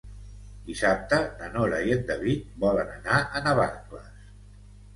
Dissabte na Nora i en David volen anar a Navarcles.